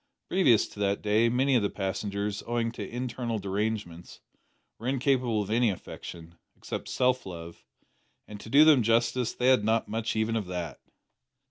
Previous to that day, many of the passengers, owing to internal derangements, were incapable of any affection, except self love, and to do them justice they had not much even of that!